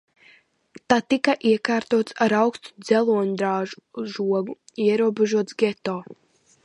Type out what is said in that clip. Tad tika iekārtots ar augstu dzeloņdrāšu žogu ierobežots geto.